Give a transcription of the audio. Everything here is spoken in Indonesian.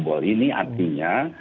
bobol ini artinya